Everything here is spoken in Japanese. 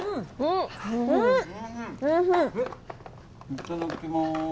いただきまーす。